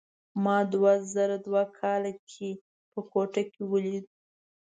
ما دوه زره دوه کال کې په کوټه کې ولید.